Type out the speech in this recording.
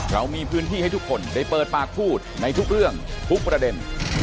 เรามีพื้นที่ให้ทุกคนได้เปิดปากพูดในทุกเรื่องทุกประเด็น